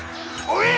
お！